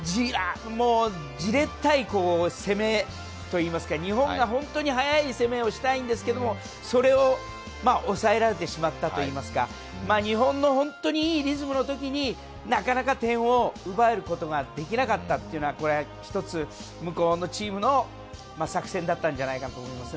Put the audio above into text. じれったい攻めといいますか日本が本当に速い攻めをしたいんですけれどもそれを抑えられてしまったといいますか、日本の本当にいいリズムのときになかなか点を奪えることができなかったというのは、一つ向こうのチームの作戦だったと思います。